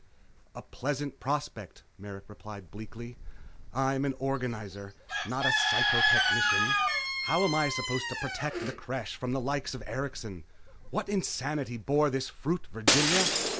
"A pleasant prospect," Merrick replied bleakly. "I am an organizer, not a psychotechnician. How am I supposed to protect the Creche from the likes of Erikson? What insanity bore this fruit, Virginia?